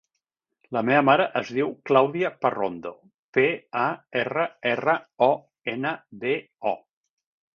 La meva mare es diu Clàudia Parrondo: pe, a, erra, erra, o, ena, de, o.